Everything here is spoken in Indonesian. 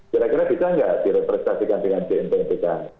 kira kira bisa tidak direpresentasikan dengan jmpbh